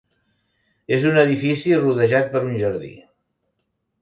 És un edifici rodejat per un jardí.